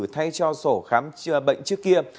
thay cho sổ khám chữa bệnh trước kia